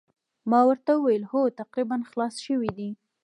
ما ورته وویل هو تقریباً خلاص شوي دي.